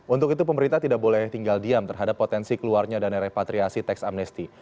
untuk itu pemerintah tidak boleh tinggal diam terhadap potensi keluarnya dana repatriasi teks amnesti